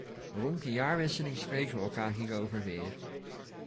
Rond de jaarwisseling spreken we elkaar hierover weer!